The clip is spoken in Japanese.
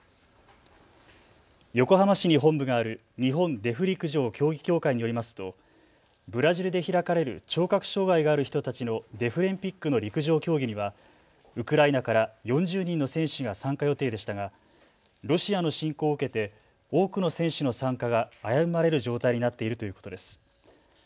横浜市に本部がある日本デフ陸上競技協会によりますとブラジルで開かれる聴覚障害がある人たちのデフリンピックの陸上競技にはウクライナから４０人の選手が参加予定でしたがロシアの侵攻を受けて多くの選手の参加が危ぶまれる状態になっているということです。